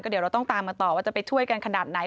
เดี๋ยวเราต้องตามกันต่อว่าจะไปช่วยกันขนาดไหน